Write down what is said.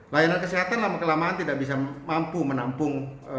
layanan kesehatan lama kelamaan tidak bisa mampu menampung